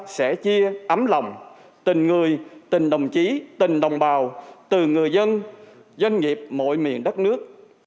sẽ chia ấm lòng tình người tình đồng chí tình đồng bào từng người dân doanh nghiệp mọi miền đất nước